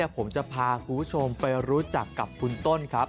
ผมจะพาคุณผู้ชมไปรู้จักกับคุณต้นครับ